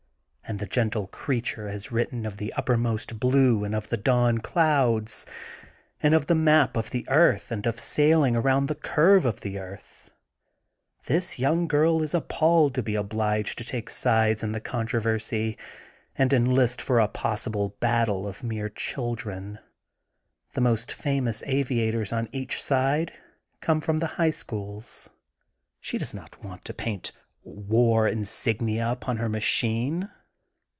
And the gentle creature has written of the uppermost blue and of the dawn clouds and of the map of the earth and of sailing around the curve of the earth. This young girl is appalled to be obliged to take sides in the controversy and enlist for a possible battle of mere children. The most famous aviators on each side come from the High Schools* She does not want to paint war insignia upon her machine.